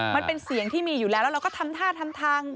มันเป็นเสียงที่มีอยู่แล้วแล้วเราก็ทำท่าทำทาง